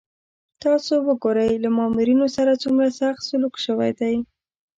تاسو وګورئ له مامورینو سره څومره سخت سلوک شوی دی.